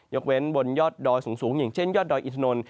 เว้นบนยอดดอยสูงอย่างเช่นยอดดอยอินทนนท